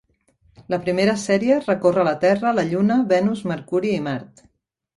La primera sèrie recorre la Terra, la Lluna, Venus, Mercuri i Mart.